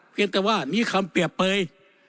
เรียกว่านี่คำเปรียบเผย